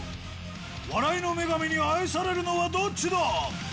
笑いの女神に愛されるのはどっちだ。